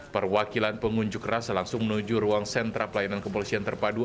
perwakilan pengunjuk rasa langsung menuju ruang sentra pelayanan kepolisian terpadu